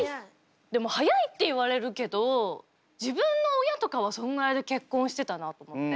でも早いって言われるけど自分の親とかはそんぐらいで結婚してたなと思って。